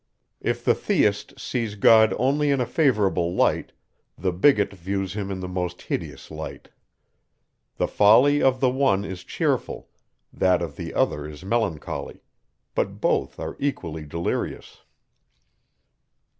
If the theist sees God only in a favourable light; the bigot views him in the most hideous light. The folly of the one is cheerful, that of the other is melancholy; but both are equally delirious.